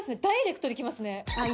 ダイレクトにきますね